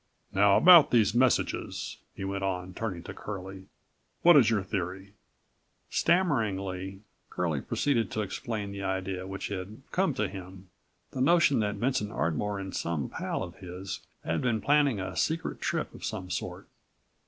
"Now about these messages," he went on, turning to Curlie. "What is your theory?" Stammeringly Curlie proceeded to explain the idea which had come to him, the notion that Vincent Ardmore and some pal of his had been planning a secret trip of some sort.